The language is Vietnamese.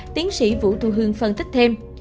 tiến sĩ vũ thu hương phân tích thêm